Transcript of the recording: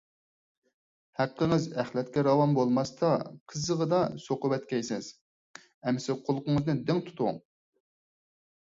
ھەققىڭىز ئەخلەتكە راۋان بولماستا قىززىغىدا سوقۇۋەتكەيسىز. ئەمسە قۇلىقىڭىزنى دىڭ تۇتۇڭ: